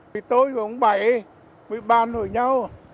mích bảy mỗi bàn đổi nhau